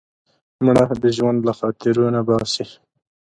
مړه د ژوند له خاطرو نه باسې